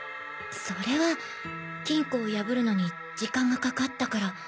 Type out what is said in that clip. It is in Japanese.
それは金庫を破るのに時間がかかったから。